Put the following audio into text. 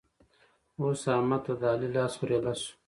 اوس احمد ته د علي لاس ور ايله شو.